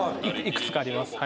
いくつかあります